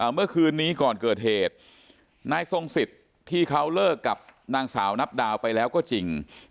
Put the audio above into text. เมื่อคืนนี้ก่อนเกิดเหตุนายทรงสิทธิ์ที่เขาเลิกกับนางสาวนับดาวไปแล้วก็จริง